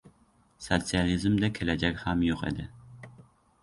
Sotsializmda… kelajak ham yo‘q edi.